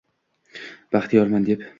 “Baxtiyorman” deb